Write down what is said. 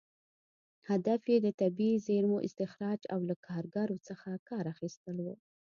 هدف یې د طبیعي زېرمو استخراج او له کارګرو څخه کار اخیستل و.